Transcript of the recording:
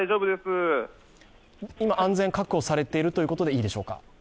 今、安全は確保されているということでいいでしょうか？